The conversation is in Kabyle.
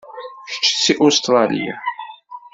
Kečč seg Ustṛalya?